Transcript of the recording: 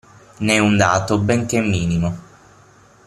Né un dato benché minimo.